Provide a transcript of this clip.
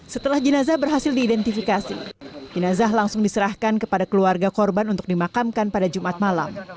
setelah jenazah berhasil diidentifikasi jenazah langsung diserahkan kepada keluarga korban untuk dimakamkan pada jumat malam